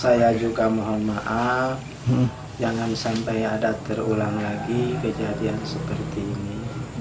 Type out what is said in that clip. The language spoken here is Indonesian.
saya juga mohon maaf jangan sampai ada terulang lagi kejadian seperti ini